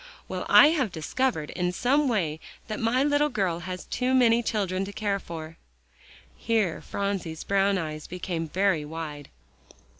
Well, I have discovered in some way that my little girl has too many children to care for." Here Phronsie's brown eyes became very wide.